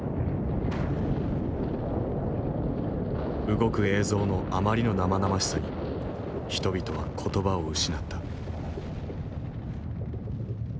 動く映像のあまりの生々しさに人々は言葉を失った。